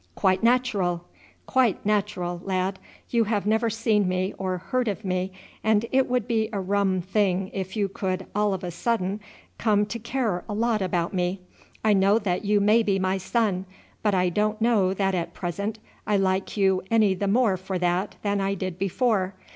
"Quite natural, quite natural, lad! You have never seen me or heard of me, and it would be a rum thing if you could all of a sudden come to care a lot about me. I know that you may be my son, but I don't know that at present I like you any the more for that than I did before.